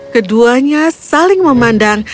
keduanya saling memandang